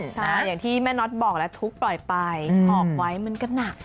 อย่างที่แม่น็อตบอกแล้วทุกข์ปล่อยไปหอบไว้มันก็หนัก